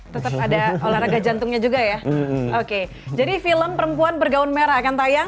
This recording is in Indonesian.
tetap ada olahraga jantungnya juga ya oke jadi film perempuan bergaun merah akan tayang